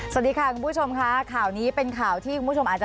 สวัสดีค่ะคุณผู้ชมค่ะข่าวนี้เป็นข่าวที่คุณผู้ชมอาจจะ